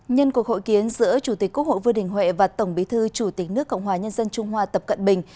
nhân cuộc hội kiến giữa chủ tịch quốc hội vương đình huệ và tổng bí thư chủ tịch nước cộng hòa nhân dân trung hoa tập cận bình